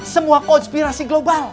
semua konspirasi global